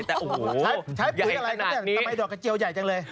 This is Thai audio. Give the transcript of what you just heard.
แต่โหใหญ่ขนาดนี้ใช้ปุ๋ยอะไรครับแกทำไมดอกกระเจียวใหญ่จังเลย